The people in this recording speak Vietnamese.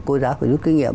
cô giáo phải rút kinh nghiệm